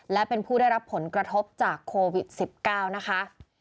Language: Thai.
และเป็นผู้ได้รับผลกระทบจากโควิด๑๙นะคะ